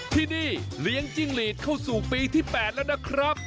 ที่นี่เลี้ยงจิ้งหลีดเข้าสู่ปีที่๘แล้วนะครับ